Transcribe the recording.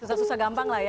susah susah gampang lah ya